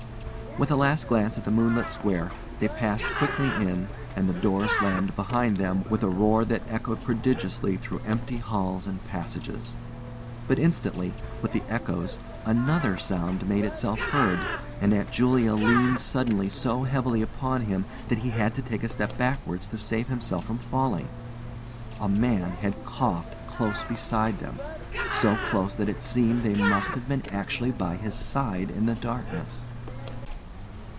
With a last glance at the moonlit square, they passed quickly in, and the door slammed behind them with a roar that echoed prodigiously through empty halls and passages. But, instantly, with the echoes, another sound made itself heard, and Aunt Julia leaned suddenly so heavily upon him that he had to take a step backwards to save himself from falling. A man had coughed close beside them so close that it seemed they must have been actually by his side in the darkness.